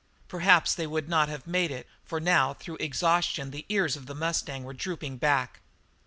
Perhaps they would not have made it, for now through exhaustion the ears of the mustang were drooping back.